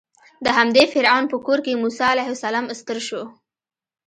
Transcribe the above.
د همدې فرعون په کور کې موسی علیه السلام ستر شو.